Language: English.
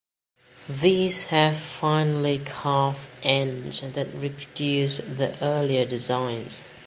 These have finely carved ends that reproduce the earlier designs.